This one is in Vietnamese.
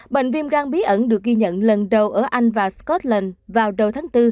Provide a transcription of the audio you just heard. bệnh viêm gan bí ẩn được ghi nhận lần đầu ở anh và scotland vào đầu tháng bốn